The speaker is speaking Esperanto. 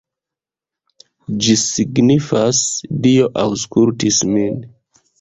Ĝi signifas: Dio aŭskultis min.